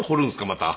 また。